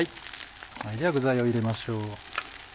具材を入れましょう。